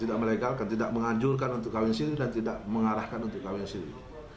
tidak meregalkan tidak menganjurkan untuk kawin siri dan tidak mengarahkan untuk kawin siri